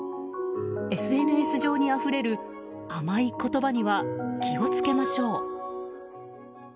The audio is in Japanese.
ＳＮＳ上にあふれる甘い言葉には気をつけましょう。